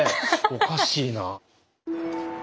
おかしいな。